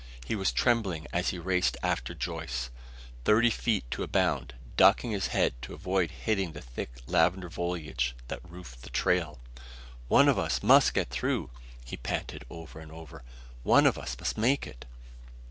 He was trembling as he raced after Joyce, thirty feet to a bound, ducking his head to avoid hitting the thick lavender foliage that roofed the trail. "One of us must get through!" he panted over and over. "One of us must make it!"